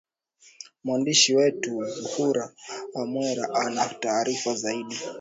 mwandishi wetu zuhra mwera ana taarifa zaidi